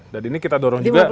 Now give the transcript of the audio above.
dan ini kita dorong juga